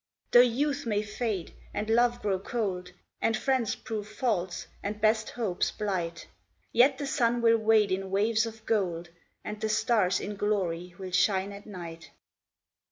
Though youth may fade, and love grow cold, And friends prove false, and best hopes blight, Yet the sun will wade in waves of gold, And the stars in glory will shine at night.